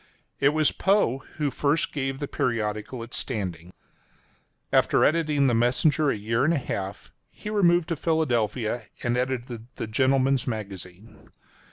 It was Poe who first gave the periodical its standing. [column 2:] After editing the Messenger a year and a half, he removed to Philadelphia, and edited the Gentleman's Magazine.